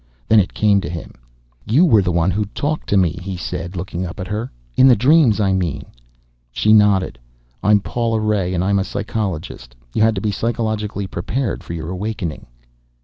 Then it came to him. "You were the one who talked to me," he said, looking up at her. "In the dreams, I mean." She nodded. "I'm Paula Ray and I'm a psychologist. You had to be psychologically prepared for your awakening."